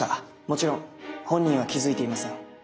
もちろん本人は気付いていません。